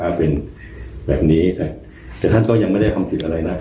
ถ้าเป็นแบบนี้คันธ่านก็ยังไม่ได้คำคิดอะไรนะ